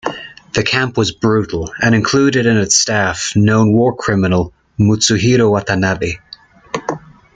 The camp was brutal and included in its staff known war criminal Mutsuhiro Watanabe.